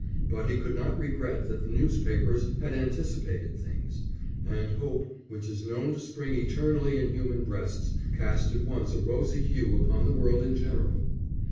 But he could not regret that the newspapers had anticipated things; and hope, which is known to spring eternally in human breasts, cast at once a rosy hue upon the world in general.